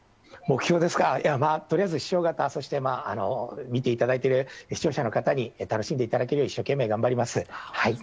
目標ですか、いや、まあ、とりあえず師匠方、そして見ていただいている視聴者の方に楽しんでいただけるよう、一生懸命頑張ります。